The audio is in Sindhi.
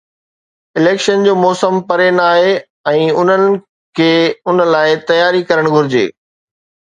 اليڪشن جو موسم پري ناهي ۽ انهن کي ان لاءِ تياري ڪرڻ گهرجي.